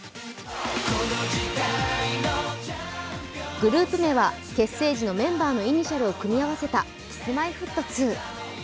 グループ名は結成時のメンバーのイニシャルを組み合わせたＫｉｓ−Ｍｙ−Ｆｔ２。